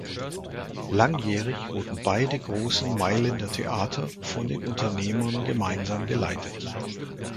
Langjährig wurden beide großen Mailänder Theater von den Unternehmern gemeinsam geleitet.